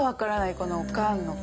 このおかんの勘。